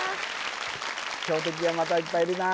強敵がまたいっぱいいるな・